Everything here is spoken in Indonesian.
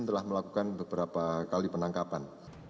dan telah melakukan beberapa kali penangkapan